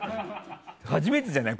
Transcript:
初めてじゃない？